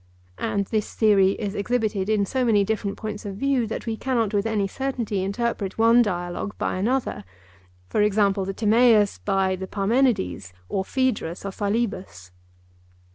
And this theory is exhibited in so many different points of view, that we cannot with any certainty interpret one dialogue by another; e.g. the Timaeus by the Parmenides or Phaedrus or Philebus.